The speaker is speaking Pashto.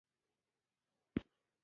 لمر په دوو ګوتو نه پوټیږی.